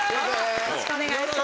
よろしくお願いします。